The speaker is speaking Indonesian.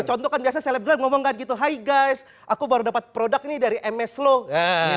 contohkan biasa selebgram ngomong gitu hai guys aku baru dapat produk ini dari mslow